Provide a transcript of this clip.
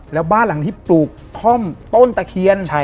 แล้วบ้านหลังที่ปลูกท่อมต้นตะเคียน